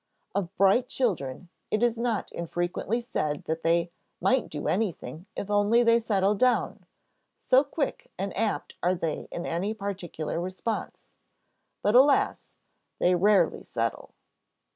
Of bright children, it is not infrequently said that "they might do anything, if only they settled down," so quick and apt are they in any particular response. But, alas, they rarely settle.